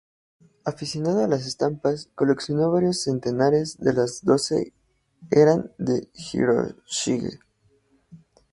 Aficionado a las estampas, coleccionó varios centenares de las que doce eran de Hiroshige.